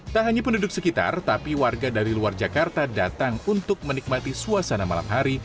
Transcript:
tak hanya penduduk sekitar tapi warga dari luar jakarta datang untuk menikmati suasana malam hari